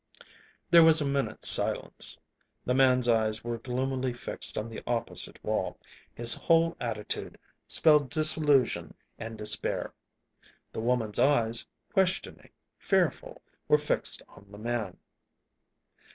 There was a minute's silence. The man's eyes were gloomily fixed on the opposite wall. His whole attitude spelled disillusion and despair. The woman's eyes, questioning, fearful, were fixed on the man.